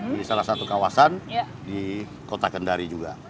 di salah satu kawasan di kota kendari juga